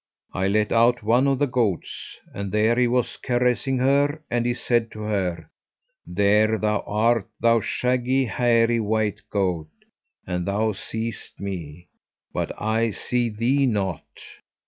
I let out one of the goats, and there he was caressing her, and he said to her, 'There thou art thou shaggy, hairy white goat; and thou seest me, but I see thee not.'